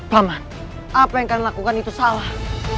paman apa yang kalian lakukan itu salah